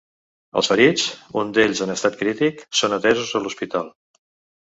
Els ferits, un d’ells en estat crític, són atesos a l’hospital.